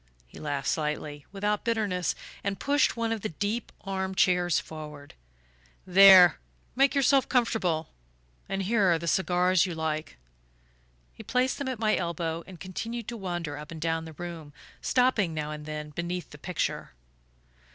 He laughed slightly, without bitterness, and pushed one of the deep arm chairs forward. "There: make yourself comfortable and here are the cigars you like." He placed them at my elbow and continued to wander up and down the room, stopping now and then beneath the picture.